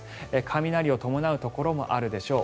雷を伴うところもあるでしょう。